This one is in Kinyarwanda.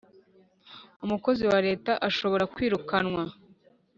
umukozi wa leta ashobora kwirukanwa